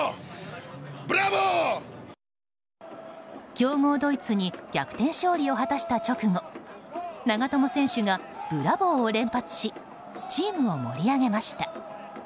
強豪ドイツに逆転勝利を果たした直後長友選手がブラボー！を連発しチームを盛り上げました。